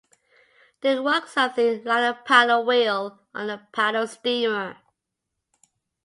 They work something like a paddle wheel on a paddle-steamer.